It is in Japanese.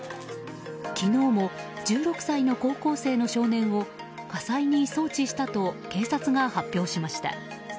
昨日も１６歳の高校生の少年を家裁に送致したと警察が発表しました。